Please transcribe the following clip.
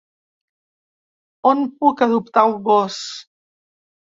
On puc adoptar un gos?